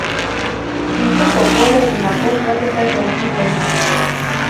د اوبو پاکوالی د نبات ودې ته ضروري دی.